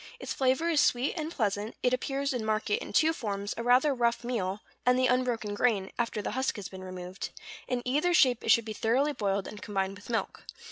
Its flavor is sweet and pleasant; it appears in market in two forms, a rather rough meal, and the unbroken grain, after the husk has been removed; in either shape it should be thoroughly boiled, and combined with milk.